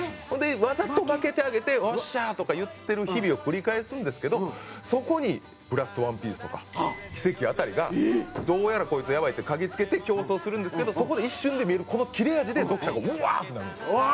ほんでわざと負けてあげてよっしゃー！とか言ってる日々を繰り返すんですけどそこにブラストワンピースとかキセキあたりがどうやらこいつやばいって嗅ぎつけて競走するんですけどそこで一瞬で見えるこの切れ味で読者がうわー！ってなるんですよ。